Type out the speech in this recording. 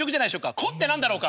「こ」って何だろうか。